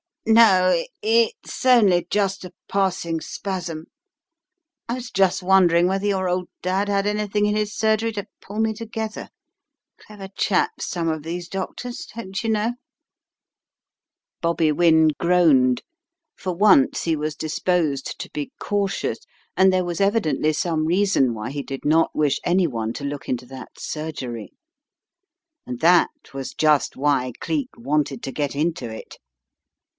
"No, it's only just a passing spasm. I was just wondering whether your old dad had anything in his surgery to pull me together, clever chaps some of these doctors, dontcher know." Bobby Wynne groaned. For once he was disposed to be cautious, and there was evidently some reason why he did not wish any one to look into that surgery. And that was just why Cleek wanted to get into it.